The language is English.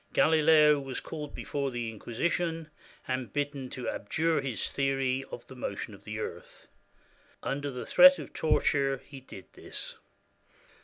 Galileo was called before the Inquisition, and bidden to abjure his theory of the motion of the earth. Un der the threat of torture he did this.